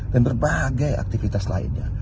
dan berbagai aktivitas lainnya